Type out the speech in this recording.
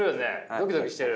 ドキドキしてる？